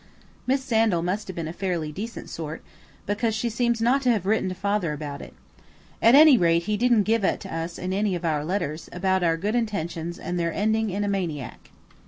Miss Sandal must have been a fairly decent sort, because she seems not to have written to Father about it. At any rate he didn't give it us in any of our letters, about our good intentions and their ending in a maniac.